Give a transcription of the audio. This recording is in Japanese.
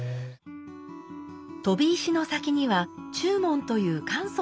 飛び石の先には中門という簡素な門があります。